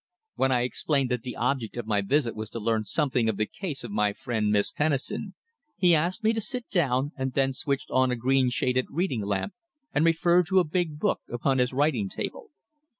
When I explained that the object of my visit was to learn something of the case of my friend Miss Tennison, he asked me to sit down and then switched on a green shaded reading lamp and referred to a big book upon his writing table.